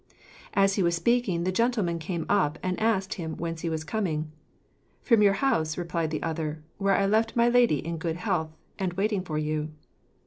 As he was speaking, the gentleman came up, and asked him whence he was coming. "From your house," replied the other, "where I left my lady in good health, and waiting for you."